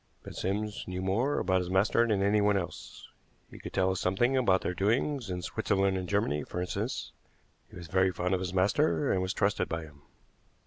But Sims knew more about his master than anyone else. He could tell us something about their doings in Switzerland and Germany, for instance. He was very fond of his master, and was trusted by him."